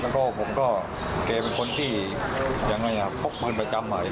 ได้ยิงประกาศไหม